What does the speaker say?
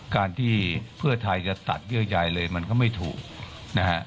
การที่เพื่อไทยจะตัดเยื่อใยเลยมันก็ไม่ถูกนะฮะ